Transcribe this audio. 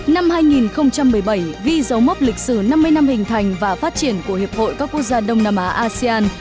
năm hai nghìn một mươi bảy ghi dấu mốc lịch sử năm mươi năm hình thành và phát triển của hiệp hội các quốc gia đông nam á asean